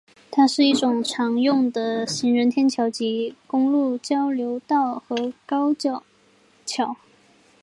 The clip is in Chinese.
它是一种常用的行人天桥及公路交流道和高架桥。